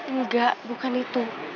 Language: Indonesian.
enggak bukan itu